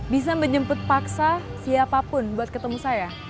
bisa menjemput paksa siapapun buat ketemu saya